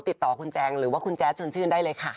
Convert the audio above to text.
ติดต่อคุณแจงหรือว่าคุณแจ๊ดชวนชื่นได้เลยค่ะ